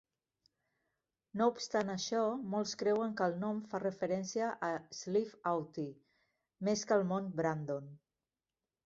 No obstant això, molts creuen que el nom fa referència a Slieve Aughty més que al mont Brandon.